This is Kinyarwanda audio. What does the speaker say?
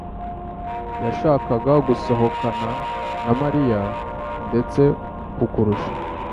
yashakaga gusohokana na Mariya ndetse kukurusha